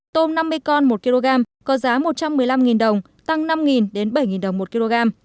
tôm năm mươi con một kg có giá một trăm một mươi năm đồng tăng năm bảy đồng một kg